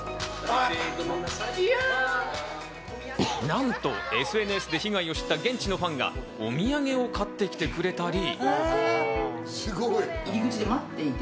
なんとＳＮＳで被害を知った現地のファンがお土産を買ってきてくれたり。